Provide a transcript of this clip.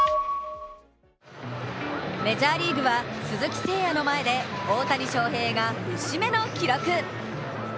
メジャーリーグは鈴木誠也の前で大谷翔平が節目の記録。